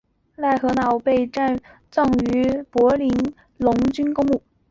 赖歇瑙被葬于柏林荣军公墓。